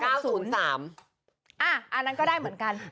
อันนั้นก็ได้เหมือนกัน